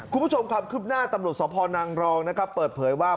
คุณผู้ชมครับขึ้นหน้าตำรวจสอบภนังรองเปิดเผยว่า